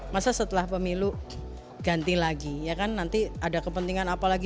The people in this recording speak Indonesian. masa setelah pemilu ganti lagi ya kan nanti ada kepentingan apa lagi